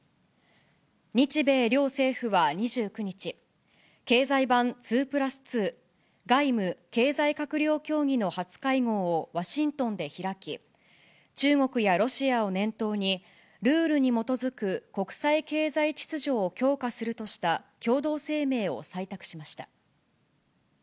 日米両政府は２９日、経済版２プラス２、外務・経済閣僚協議の初会合をワシントンで開き、中国やロシアを念頭に、ルールに基づく国際経済秩序を強化するとした、共同声明を採択しました。